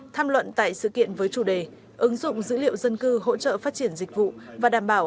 tham luận tại sự kiện với chủ đề ứng dụng dữ liệu dân cư hỗ trợ phát triển dịch vụ và đảm bảo